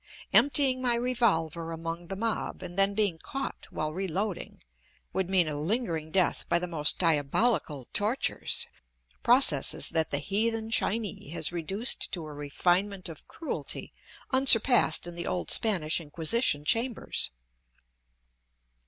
Emptying my revolver among the mob, and then being caught while reloading, would mean a lingering death by the most diabolical tortures, processes that the heathen Chinee has reduced to a refinement of cruelty unsurpassed in the old Spanish inquisition chambers.